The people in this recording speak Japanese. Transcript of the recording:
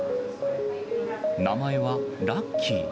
名前はラッキー。